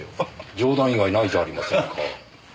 冗談以外ないじゃありませんか。